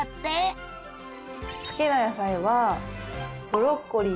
好きな野菜はブロッコリーか。